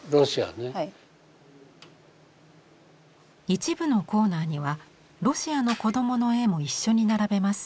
一部のコーナーにはロシアの子どもの絵も一緒に並べます。